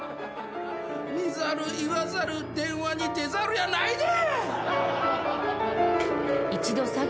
見ざる言わざる電話に出ざるやないで！